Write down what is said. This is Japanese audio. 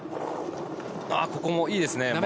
ここもいいですね。